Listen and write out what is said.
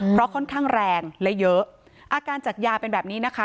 เพราะค่อนข้างแรงและเยอะอาการจากยาเป็นแบบนี้นะคะ